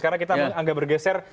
karena kita agak bergeser